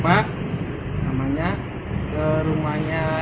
bang gondol namanya ke rumahnya